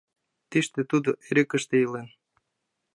Тыште тудо эрыкыште илен.